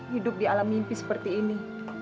hidup di alam mimpi seperti ini